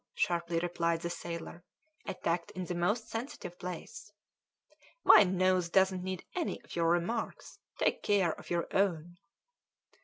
sharply replied the sailor, attacked in the most sensitive place. "My nose doesn't need any of your remarks; take care of your own."